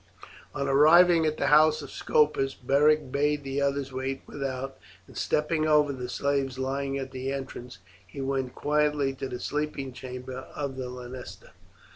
On arriving at the house of Scopus Beric bade the others wait without, and stepping over the slaves lying at the entrance, he went quietly to the sleeping chamber of the lanista.